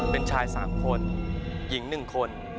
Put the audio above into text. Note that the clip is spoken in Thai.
เป็นชาย๓คนหญิง๑คน